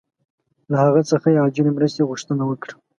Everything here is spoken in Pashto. له هغه څخه یې عاجلې مرستې غوښتنه وکړه.